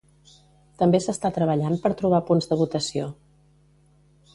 També s'està treballant per trobar punts de votació.